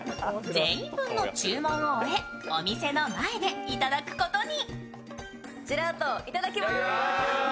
全員分の注文を終え、お店の前でいただくことに。